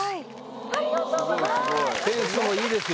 ありがとうございます。